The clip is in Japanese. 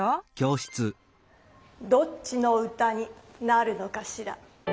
どっちの歌になるのかしら？